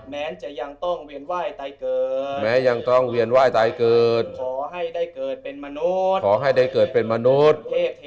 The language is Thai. แม้จะยังต้องเวียนไหว้ใต้เกิดขอให้ได้เกิดเป็นมนุษย์